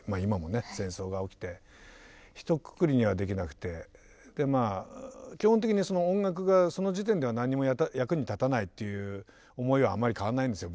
戦争が起きてひとくくりにはできなくて基本的に音楽がその時点では何も役に立たないっていう思いはあまり変わらないんですよ。